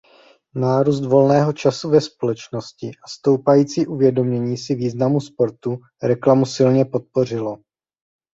Nárůst volného času ve společnosti a stoupající uvědomění si významu sportu reklamu silně podpořilo.